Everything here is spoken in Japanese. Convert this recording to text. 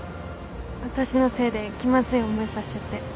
私のせいで気まずい思いさせちゃって。